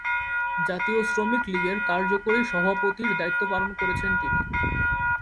জাতীয় শ্রমিক লীগের কার্যকরী সভাপতির দায়িত্ব পালন করেছেন তিনি।